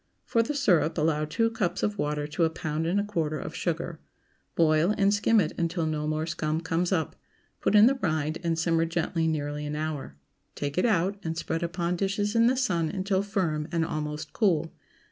For the syrup, allow two cups of water to a pound and a quarter of sugar. Boil, and skim it until no more scum comes up; put in the rind, and simmer gently nearly an hour. Take it out, and spread upon dishes in the sun until firm and almost cool.